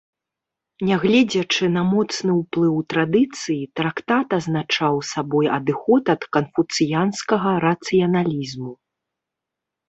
Нягледзячы на моцны ўплыў традыцыі, трактат азначаў сабой адыход ад канфуцыянскага рацыяналізму.